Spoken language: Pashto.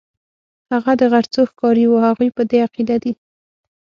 هغه د غرڅو ښکاري وو، هغوی په دې عقیده دي.